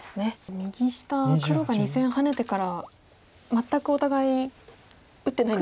右下黒が２線ハネてから全くお互い打ってないですよね。